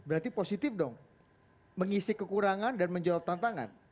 berarti positif dong mengisi kekurangan dan menjawab tantangan